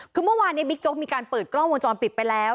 คือเมื่อวานนี้บิ๊กโจ๊กมีการเปิดกล้องวงจรปิดไปแล้ว